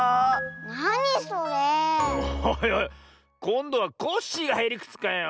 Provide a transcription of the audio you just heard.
こんどはコッシーがへりくつかよ。